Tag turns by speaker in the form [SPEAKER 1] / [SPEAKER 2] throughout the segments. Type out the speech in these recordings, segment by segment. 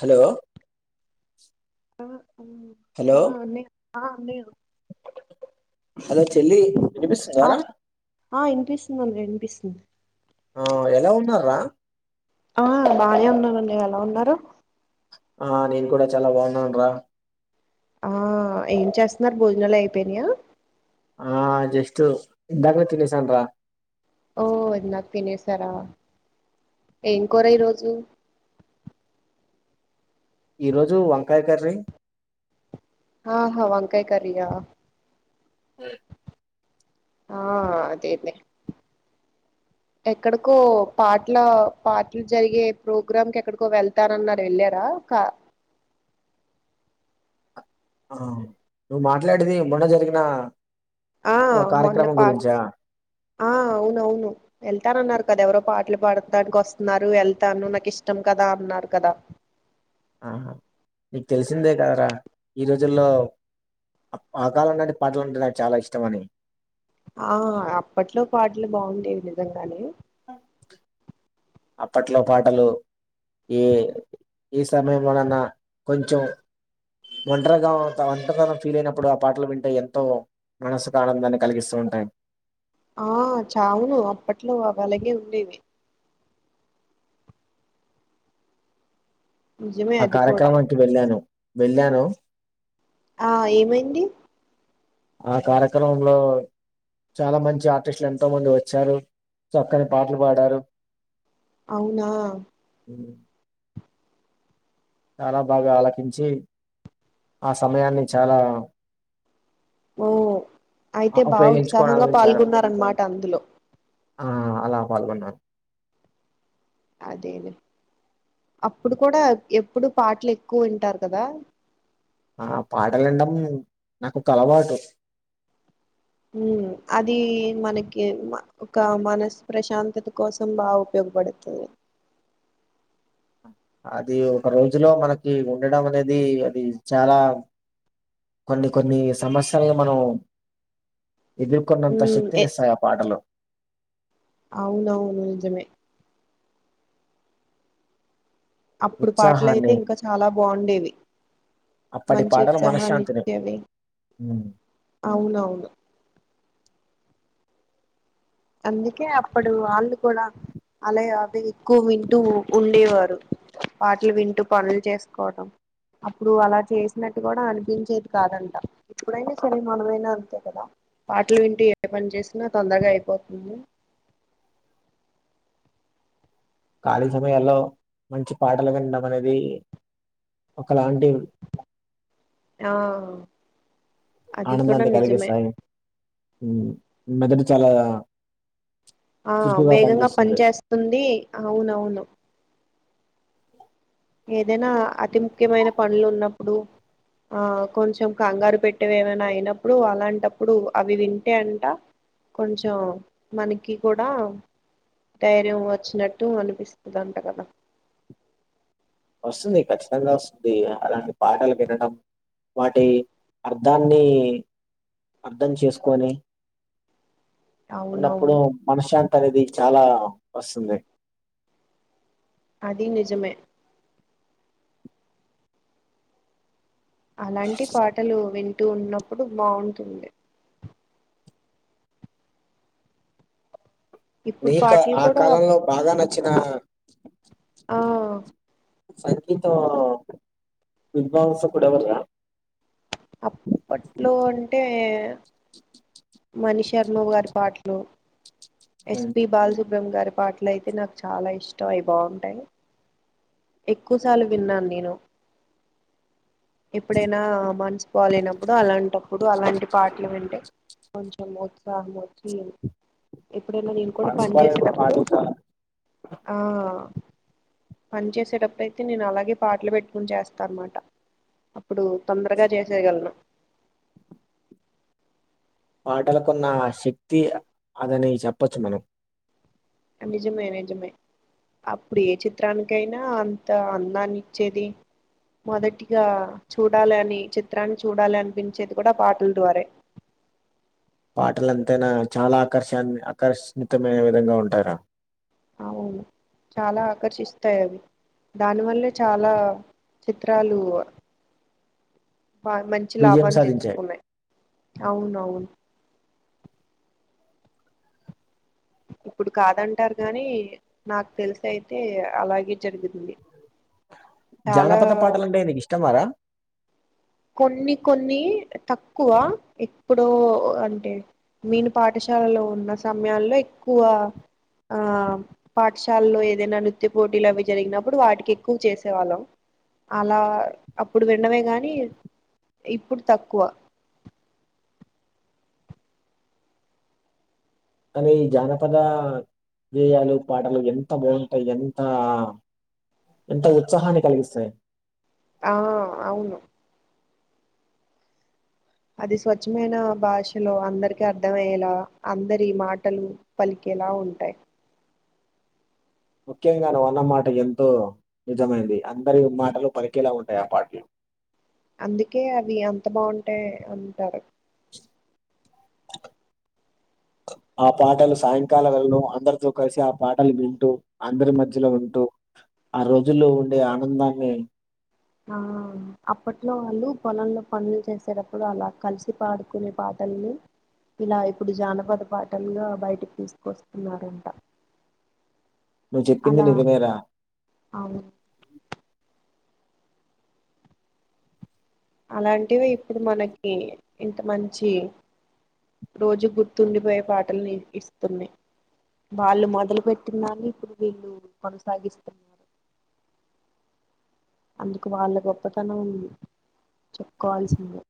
[SPEAKER 1] Hello hello
[SPEAKER 2] అ అన్నె ఆ అన్నయ్య
[SPEAKER 1] హలో చెల్లి
[SPEAKER 2] ఆ
[SPEAKER 1] ఇనిపిస్తుందారా
[SPEAKER 2] ఆ ఇనిపిస్తుందన్నె యినిపిస్తుంది
[SPEAKER 1] ఆ ఎలా ఉన్నార్రా
[SPEAKER 2] ఆ బానే ఉన్నాం అన్నయలా ఉన్నారు
[SPEAKER 1] ఆ నేను కూడా చాలా బాగున్నాన్ రా
[SPEAKER 2] ఆ ఏం చేస్తున్నార్ భోజనాల్ అయిపోయినయా
[SPEAKER 1] ఆ జస్ట్ ఇ దగ్న తినేసన్ రా
[SPEAKER 2] ఓ ఇందాక్ తినేసారా ఏన్ కోర ఈ రోజు
[SPEAKER 1] ఈ రోజు వంకాయకర్రీ
[SPEAKER 2] ఆహ వంకాయ్ కర్రీ యా
[SPEAKER 1] ఎయ్
[SPEAKER 2] ఆ అదేదే ఎక్కడికో పాట్ల పాటల్ జరిగే ప్రోగ్రామ్ కేక్కడికో వెళ్తానన్నార్ యెళ్ళారా క
[SPEAKER 1] ఆ నువ్వు మాట్లాడేది మొన్న జరిగిన
[SPEAKER 2] ఆ
[SPEAKER 1] ఒక
[SPEAKER 2] మొన్న
[SPEAKER 1] కార్యక్రమం
[SPEAKER 2] పా
[SPEAKER 1] గురించా
[SPEAKER 2] ఆ అవునవును ఎళ్తానన్నారు కదా ఎవరో పాటలు పాడటానికోస్తున్నారు ఏళ్తాను నాకిష్టం కదా అన్నారు కదా
[SPEAKER 1] ఆహ నీక్ తెలిసిందే కదరా ఈ రోజుల్లో అ ఆ కాలం నాటి పాటలంటే నాక్ చాలా ఇష్టమని
[SPEAKER 2] ఆ అప్పట్లో పాటలు బాగుండేవి నిజంగానే
[SPEAKER 1] అప్పట్లో పాటలు ఏ ఈ సమయంలోనన్నా కొంచెం ఒంటరిగా అంత ఒంట తనం ఫీల్ అయినప్పుడు ఆ పాటలు వింటే ఎంతో మనసుక్ ఆనందాన్ని కలిగిస్తూ ఉంటాయి
[SPEAKER 2] ఆ చావును అప్పట్లో అవ్ అలాగే ఉండేవి నిజమే
[SPEAKER 1] ఆ
[SPEAKER 2] అది కూడా
[SPEAKER 1] కార్యక్రమానికి వెళ్ళాను వెళ్ళాను
[SPEAKER 2] ఆ ఏమైంది
[SPEAKER 1] ఆ కార్యక్రమంలో చాలా మంచి ఆర్టిస్టులు ఎంతో మంది ఒచ్చారు చక్కని పాట్లు పాడారు
[SPEAKER 2] అవునా
[SPEAKER 1] ఉ ఉ చాలా బాగా ఆలకించి ఆ సమయాన్ని చాలా
[SPEAKER 2] ఓ అయితే
[SPEAKER 1] ఆ-
[SPEAKER 2] బా
[SPEAKER 1] ఉపయోగించుకొని
[SPEAKER 2] ఉత్సాహంగా
[SPEAKER 1] ఆనందించాను
[SPEAKER 2] పాల్గొన్న రన్మాట అందులో
[SPEAKER 1] ఆ అలా పాల్గొన్నా
[SPEAKER 2] అదేలే అప్పుడు కూడా ఎప్పుడు పాట్లు ఎక్కువ్ వింటారు కదా
[SPEAKER 1] ఆ పాటలు వినడం నాకు ఒక అలవాటు
[SPEAKER 2] ఉ అది మనకి ఒక మనస్ ప్రశాంతత కోసం బాగు ఉపయోగపడుతది
[SPEAKER 1] అది ఒక రోజులో మనకి ఉండడం అనేది అది చాలా కొన్ని కొన్ని సమస్యలుగా మనం ఎదుర్కొన్నంత
[SPEAKER 2] ఉమ్ ఎ
[SPEAKER 1] శక్తిని ఇస్తాయి ఆ పాటలు
[SPEAKER 2] అవునవును నిజమే అప్పుడు పాటలు అయితే
[SPEAKER 1] ఉత్సాహాన్ని
[SPEAKER 2] ఇంకా చాలా బాగుండేవి
[SPEAKER 1] అప్పటి
[SPEAKER 2] మంచి
[SPEAKER 1] పాటలు
[SPEAKER 2] ఉత్సాహాన్ని
[SPEAKER 1] మనశ్శాంతిని
[SPEAKER 2] ఇచ్చేవి
[SPEAKER 1] ఉమ్.
[SPEAKER 2] అవునవును అందుకే అప్పుడు వాళ్ళు కూడా అలాగే అవి ఎక్కువ వింటూ ఉండేవారు పాటలు వింటూ పనులు చేసుకోవడం అప్పుడు అలా చేసినట్టు కూడా అనిపించేది కాదంట ఇప్పుడైనా సరే మనమైనా అంతే కదా పాటలు వింటి ఏ పని చేసినా తొందరగా అయిపోతుంది
[SPEAKER 1] ఖాళీ సమయాల్లో మంచి పాటలు వినడం అనేది ఒకలాంటి
[SPEAKER 2] ఆ అది కూడా
[SPEAKER 1] ఆనందాన్ని
[SPEAKER 2] నిజమే
[SPEAKER 1] కలిగిస్తాయి మెదడు చాలా
[SPEAKER 2] ఆ
[SPEAKER 1] చురుకుగా
[SPEAKER 2] వేగంగా పని
[SPEAKER 1] పనిచేస్తుంది
[SPEAKER 2] చేస్తుంది అవునవును ఏదైనా అతి ముఖ్యమైన పనులు ఉన్నప్పుడు ఆ కొంచెం కంగారు పెట్టేవి ఏమైనా అయినప్పుడు అలాంటప్పుడు అవి వింటే అంట కొంచం మనకి కూడా ధైర్యం వచ్చినట్టు అనిపిస్తుంది అంట కదా
[SPEAKER 1] వస్తుంది ఖచ్చితంగా వస్తుంది అలాంటి పాటలు వినడం వాటి అర్థాన్ని అర్ధం చేసుకొని ఉన్నప్పుడు
[SPEAKER 2] అవునవును
[SPEAKER 1] మనశ్శాంతి అనేది చాలా వస్తుంది
[SPEAKER 2] అది నిజమే అలాంటి పాటలు వింటూ ఉన్నప్పుడు బాగుంటుంది ఇప్పుడు
[SPEAKER 1] నీకా
[SPEAKER 2] పాటలు
[SPEAKER 1] ఆ
[SPEAKER 2] కూడా
[SPEAKER 1] కాలంలో బాగా నచ్చిన
[SPEAKER 2] ఆ
[SPEAKER 1] సంగీత విద్వాంసకుడు ఎవరు
[SPEAKER 2] అప్పట్లో అంటే మణిశర్మ గారి పాటలు ఎస్పి బాల సుబ్రహ్మణ్యం గారి పాటలు ఇట్లయితే నాకు చాలా ఇష్టం అవి బాగుంటాయి ఎక్కువ సార్లు విన్నాను నేను ఎప్పుడైనా మ నసు బా పోలేనప్పుడు అలాంటప్పుడు అలాంటి పాటలు వింటే కొంచెం ఉత్సాహం వచ్చి ఎప్పుడైనా నేను కూడా పని
[SPEAKER 1] మనసుపాలైన
[SPEAKER 2] చేసేటప్పుడు
[SPEAKER 1] పాటలు
[SPEAKER 2] ఆ పని చేసేటప్పుడు అయితే నేను అలాగే పాటలు పెట్టుకుని చేస్తానమాట అప్పుడు తొందరగా చేసేయగలను
[SPEAKER 1] పాటలకున్న శక్తి అదని చెప్పొచ్చు మనం
[SPEAKER 2] ఆ నిజమే నిజమే అప్పుడు ఏ చిత్రానికి అయినా అంత అందాన్ని ఇచ్చేది మొదటిగా చూడాలి అని చిత్రాన్ని చూడాలి అనిపించేది కూడా పాటల ద్వారే
[SPEAKER 1] పాటలు ఎంతైనా చాలా ఆకర్ష ఆకర్షవితమైన విధంగా ఉంటాయ్
[SPEAKER 2] అవును చాలా ఆకర్షిస్తాయి అవి దాని వల్లే చాలా చిత్రాలు
[SPEAKER 1] విజయం
[SPEAKER 2] లాభాన్ని
[SPEAKER 1] సాధించాయి
[SPEAKER 2] తెచ్చుకున్నాయి అవును అవును ఇప్పుడు కాదంటారు గాని నాకు తెలిసి అయితే అలాగే జరుగుతుంది
[SPEAKER 1] జానపద పాటల అంటే నీకు ఇష్టమారా
[SPEAKER 2] కొన్ని కొన్ని తక్కువ ఎప్పుడో అంటే నేను పాఠశాలలో ఉన్న సమయాల్లో ఎక్కువ ఆ పాఠశాలలో ఏదైనా నృత్య పోటీలు అవి జరిగినప్పుడు వాటికి ఎక్కువ చేసేవాళ్ళం అలా అప్పుడు విన్నవే గాని ఇప్పుడు తక్కువ
[SPEAKER 1] కానీ జానపద గేయాలు పాటలు ఎంత బాగుంటాయి ఎంత ఎంత ఉత్సాహాన్ని కలిగిస్తాయి
[SPEAKER 2] ఆ అవును అది స్వచ్ఛమైన భాషలో అందరికి అర్థమయ్యేలా అందరి మాటలు పలికేలా ఉంటాయి
[SPEAKER 1] ముఖ్యంగా నువ్వు అన్నమాట ఎంతో నిజమైంది అందరి మాటలు పలికేలా ఉంటాయి ఆ పాటలో
[SPEAKER 2] అందుకే అవి అంత బాగుంటాయి అంటారు
[SPEAKER 1] ఆ పాటలు సాయంకాలవేళలో అందరితో కలిసి ఆ పాటలు వింటూ అందరి మధ్యలో ఉంటూ ఆ రోజుల్లో ఉండే ఆనందాన్ని
[SPEAKER 2] ఆ అప్పట్లో వాళ్ళు పొలంలో పనులు చేసేటప్పుడు అలా కలిసి పాడుకునే పాటల్ని ఇలా ఇప్పుడు జానపద పాటలుగా బయటకి తీసుకొస్తున్నారంట
[SPEAKER 1] నువ్వు చెప్పింది
[SPEAKER 2] అలా
[SPEAKER 1] నిజమేరా
[SPEAKER 2] అవును అలాంటివి ఇప్పుడు మనకి ఇంత మంచి రోజు గుర్తుండిపోయే పాటలుని ఇస్తున్నాయి వాళ్ళు మొదలు పెట్టిన దాన్ని ఇప్పుడు వీళ్ళు కొనసాగిస్తున్నారు అందుకు వాళ్ళ గొప్పతనం చెప్పుకోవాల్సిందే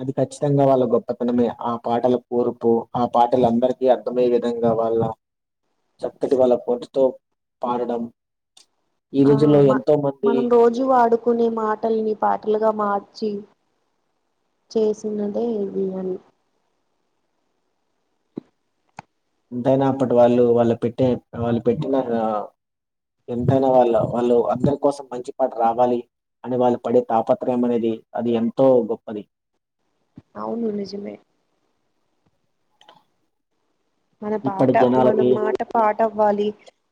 [SPEAKER 1] అది ఖచ్చితంగా వాళ్ళ గొప్పతనమే ఆ పాటల కూరుపు ఆ పాటల అందరికీ అర్ మే విధంగా వాళ్ళ చక్కటి వాళ్ల [unintelligible] పాడడం ఈ
[SPEAKER 2] ఆ
[SPEAKER 1] రోజుల్లో
[SPEAKER 2] మ
[SPEAKER 1] ఎంతో మంది
[SPEAKER 2] మనం రోజు వాడుకునే మాటల్ని పాటలుగా మార్చి చేసినదే ఈ బియాని
[SPEAKER 1] ఎంతైనా అప్పటి వాళ్ళు వాళ్ళు పెట్టే వాళ్ళు పెట్టిన ఎంతైనా వాళ్ళ వాళ్ళు అందరి కోసం మంచి పాట రావాలి అని వాళ్ళు పడే తాపత్రయం అనేది అది ఎంతో గొప్పది
[SPEAKER 2] అవును నిజమే మన పాట
[SPEAKER 1] ఇప్పటి
[SPEAKER 2] మన
[SPEAKER 1] జనాలకి
[SPEAKER 2] మాట పాట అవ్వాలి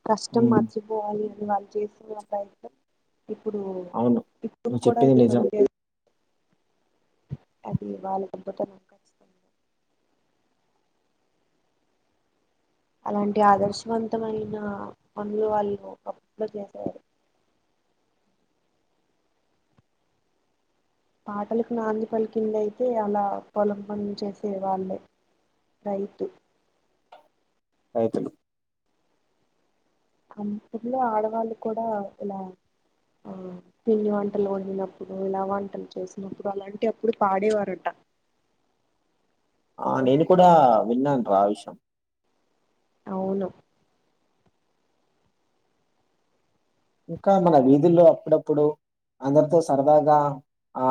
[SPEAKER 2] కష్టం
[SPEAKER 1] ఉమ్,
[SPEAKER 2] మంచి పోవాలి వాళ్ళు చేస్తున్నప్పుడయితే ఇప్పుడు
[SPEAKER 1] అవును
[SPEAKER 2] ఇప్పుడు
[SPEAKER 1] నువ్వు
[SPEAKER 2] కూడా
[SPEAKER 1] చెప్పింది
[SPEAKER 2] అది కొ
[SPEAKER 1] నిజం
[SPEAKER 2] అది వాళ్ళ అద్భుతం అలాంటి ఆదర్శవంతమైన పనులు వాళ్ళు ఒకప్పుడు చేసేవారు పాటలకు నాంది పలికింది అయితే అలా పొలం పనులు చేసే వాళ్ళే రైతు
[SPEAKER 1] రైతులు
[SPEAKER 2] [unintelligible] ఆడవాళ్ళు కూడా ఇలా ఆ పిండి వంటలు వండినప్పుడు ఇలా వంటలు చేసినప్పుడు అలాంటి అప్పుడు పాడేవారట
[SPEAKER 1] ఆ నేను కూడా విన్నాను రా ఆ విషం
[SPEAKER 2] అవును
[SPEAKER 1] ఇంకా మన వీధుల్లో అప్పుడప్పుడు అందరితో సరదాగా ఆ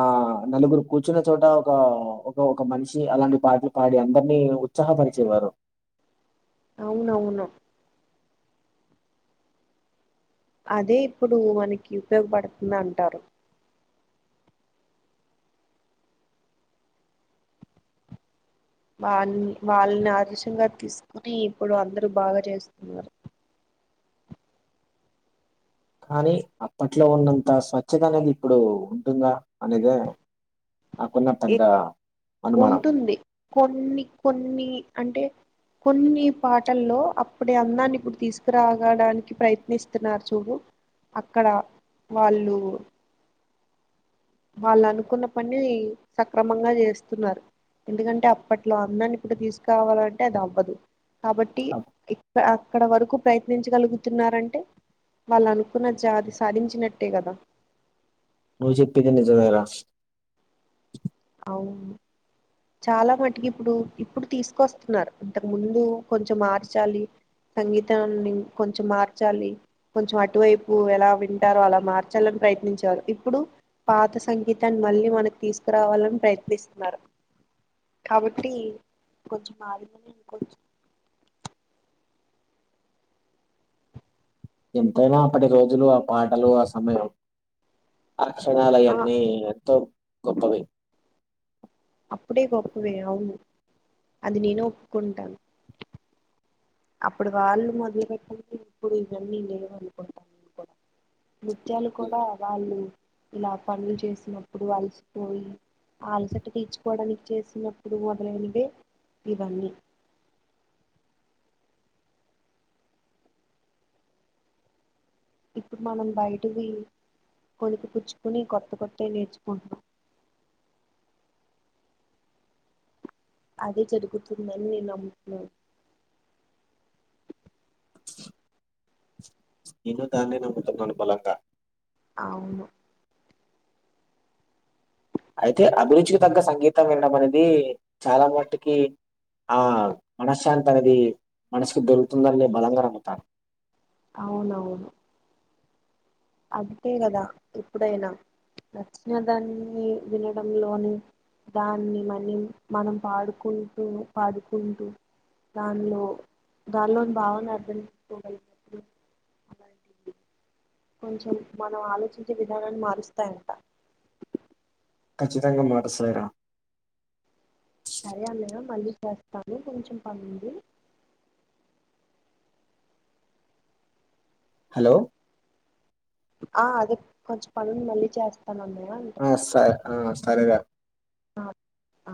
[SPEAKER 1] నలుగురు కూర్చున్న చోట ఒక ఒక ఒక మనిషి అలాంటి పాటలు పాడి అందరినీ ఉత్సాహ పరిచేవారు
[SPEAKER 2] అవునవును అదే ఇప్పుడు మనకి ఉపయోగపడుతుంది అంటారు వాళ వాళ్ళని ఆదర్శంగా తీసుకుని ఇప్పుడు అందరు బాగా చేస్తున్నారు
[SPEAKER 1] కానీ అప్పట్లో ఉన్నంత స్వఛత అనేది ఇప్పుడు ఉంటుందా అనేదే నాకున్న పెద్ద అనుమానం
[SPEAKER 2] ఉంటుంది కొన్ని కొన్ని అంటే కొన్ని పాటల్లో అప్పుడే అందాన్ని ఇప్పుడు తీసుకురాగడానికి ప్రయత్నిస్తున్నారు చూడు అక్కడ వాళ్ళు వాళ్ళ అనుకున్న పని సక్రమంగా చేస్తున్నారు ఎందుకంటే అప్పట్లో అందాన్ని కూడా తీసుకురావాలంటే అంటే అది అవ్వదు కాబట్టి అక్కడ వరకు ప్రయత్నించగలుగుతున్నారంటే వాళ్ళు అనుకున్న జాతి సాధించినట్టే కదా
[SPEAKER 1] నువ్వు చెప్పింది నిజమేరా
[SPEAKER 2] అవును చాలా మటుకి ఇప్పుడు ఇప్పుడు తీసుకొస్తున్నారు అంతకు ముందు కొంచెం మార్చాలి సంగీతాన్ని కొంచెం మార్చాలి కొంచెం అటువైపు ఎలా వింటారో అలా మార్చాలని ప్రయత్నించేరు ఇప్పుడు పాత సంగీతాన్ని మళ్ళీ మనకి తీసుకురావాలని ప్రయత్నిస్తున్నారు కాబట్టి కొంచెం మాది కొంచెం
[SPEAKER 1] ఎంతైనా అప్పటి రోజులు ఆ పాటలు ఆ సమయం అక్షరాలు
[SPEAKER 2] ఆ
[SPEAKER 1] అయన్ని ఎంతో గొప్పవి
[SPEAKER 2] అప్పుడే గొప్పవే అవును అది నేను ఒప్పుకుంటాను అప్పుడు వాళ్ళు మొదలు పెట్టింటే ఇప్పుడు ఇవన్నీ లేవు అనుకుంటాను నృత్యాలు కూడా వాళ్ళు ఇలా పనులు చేసినప్పుడు అలసిపోయి ఆ అలసట తీర్చుకోవడానికి చేసినప్పుడు మొదలైనవే ఇవన్నీ ఇప్పుడు మనం బయటది కొణకి పుచ్చుకొని కొత్త కొత్తయ్ నేర్చుకుంటున్నాం అదే జరుగుతుందని నేను నమ్ముతున్నాను
[SPEAKER 1] నేను దాన్నే నమ్ముతునాను బలంగా
[SPEAKER 2] అవును
[SPEAKER 1] అయితే అభిరుచికి తగ్గ సంగీతం వినడం అనేది చాలా మటికి ఆ మనశ్శాంతి అనేది మనసుకి దొరుకుతుందని నేను బలంగా నమ్ముతాను.
[SPEAKER 2] అవునవును అంతే కదా ఎప్పుడైనా నచ్చిన దాన్ని వినడంలోని దాన్ని మన్నీ మనం పాడుకుంటూ పాడుకుంటూ దానిలో దానిలోని భావాన్ని అర్థం చేసుకోగలుగు కొంచెం మనం ఆలోచించే విధానాన్ని మారుస్తాయంట
[SPEAKER 1] ఖచ్చితంగా మారుస్తాయిరా
[SPEAKER 2] సరే అన్నయ్య మళ్ళీ చేస్తాను కొంచెం పని ఉంది
[SPEAKER 1] హలో
[SPEAKER 2] ఆ అదే కొంచెం పని ఉంది మళ్ళీ చేస్తాను అన్నయ్య అన్న
[SPEAKER 1] ఆ సర్ సరేరా
[SPEAKER 2] ఆ అ